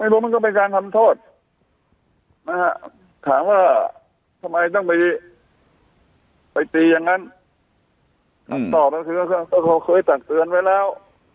ไม่รู้มันก็ไปการทำโทษถามว่าทำไมต้องไปตีอย่างนั้นตอบก็เคยตัดเตือนไว้แล้ว